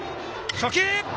初球。